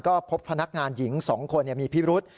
ก็พบพนักงานหญิง๒คนมีพิรุษ